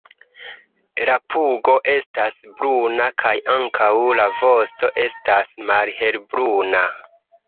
La pugo estas bruna kaj ankaŭ la vosto estas malhelbruna.